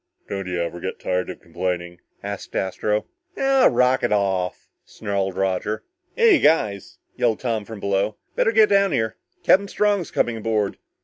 "Don't you ever get tired of complaining?" asked Astro. "Ah rocket off," snarled Roger. "Hey, you guys," yelled Tom from below, "better get down here! Captain Strong's coming aboard."